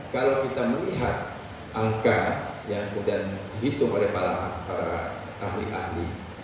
kalau kita melihat angka yang sudah dihitung oleh para ahli ahli